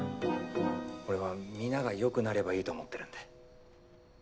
俺は皆がよくなればいいと思ってるんで。